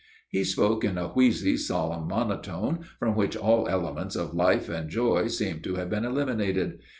He spoke in a wheezy, solemn monotone, from which all elements of life and joy seemed to have been eliminated.